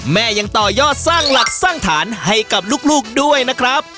แม่ยังต่อยอดสร้างหลักสร้างฐานให้กับลูกด้วยนะครับ